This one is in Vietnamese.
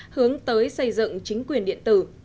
hướng tới xây dựng chính quyền điện tử